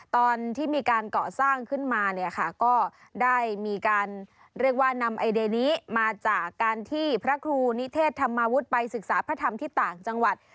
ตอนที่มีการเกาะสร้างขึ้นมาเนี่ยค่ะก็ได้มีการเรียกว่านำไอเดียนี้มาจากการที่พระครูนิเทศธรรมวุฒิไปศึกษาพระธรรมที่ต่างจังหวัด